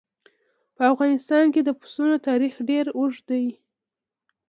په افغانستان کې د پسونو تاریخ ډېر اوږد دی.